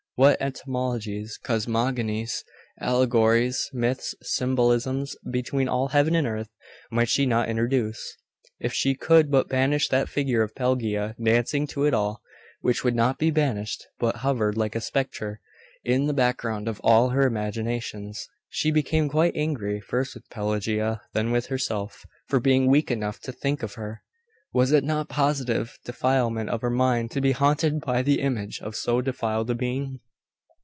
What etymologies, cosmogonies, allegories, myths, symbolisms, between all heaven and earth, might she not introduce if she could but banish that figure of Pelagia dancing to it all, which would not be banished, but hovered, like a spectre, in the background of all her imaginations. She became quite angry, first with Pelagia, then with herself, for being weak enough to think of her. Was it not positive defilement of her mind to be haunted by the image of so defiled a being?